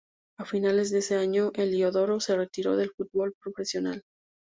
A finales de ese año, Heliodoro se retiró del fútbol profesional.